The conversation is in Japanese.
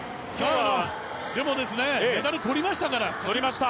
でも、メダルとりましたから。